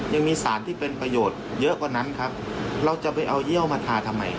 ยังมีสารที่เป็นประโยชน์เยอะกว่านั้นครับเราจะไปเอาเยี่ยวมาทาทำไม